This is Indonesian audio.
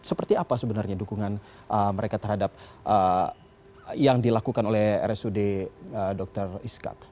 seperti apa sebenarnya dukungan mereka terhadap yang dilakukan oleh rsud dr iskak